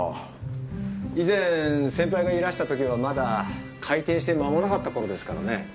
以前先輩がいらしたときはまだ開店して間もなかったころですからね。